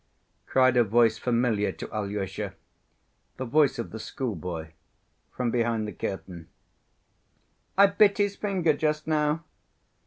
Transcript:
cried a voice familiar to Alyosha—the voice of the schoolboy—from behind the curtain. "I bit his finger just now."